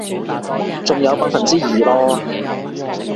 仲有百分之二囉